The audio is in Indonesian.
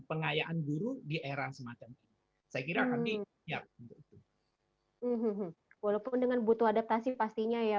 pengayaan guru di era semacam ini saya kira kami siap untuk itu walaupun dengan butuh adaptasi pastinya ya